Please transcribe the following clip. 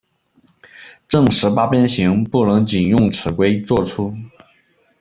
正十八边形不能仅用尺规作出。